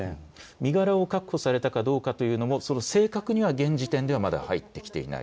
身柄を確保されたかどうかとというのも正確には現時点ではまだ入ってきていない。